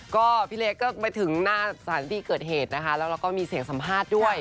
ก็พี่เล็กก็ไปถึงหน้าสถานที่เกิดเหตุนะคะแล้วเราก็มีเสียงสัมภาษณ์ด้วย